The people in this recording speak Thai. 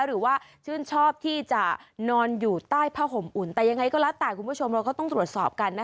หรือว่าชื่นชอบที่จะนอนอยู่ใต้ผ้าห่มอุ่นแต่ยังไงก็แล้วแต่คุณผู้ชมเราก็ต้องตรวจสอบกันนะ